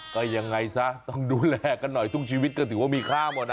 ก็ยังไงซะต้องดูแลกันหน่อยทุกชีวิตก็ถือว่ามีค่าหมดนะ